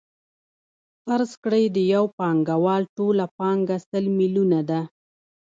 فرض کړئ د یو پانګوال ټوله پانګه سل میلیونه ده